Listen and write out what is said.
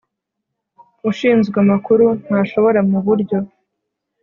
Ushinzwe amakuru ntashobora mu buryo